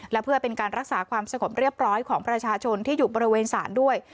และเพื่อเป็นการรักษาความสงบเรียบร้อยของประชาชนที่อยู่บริเวณศาลด้วย